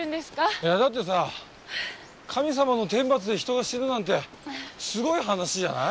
いやだってさ神様の天罰で人が死ぬなんてすごい話じゃない？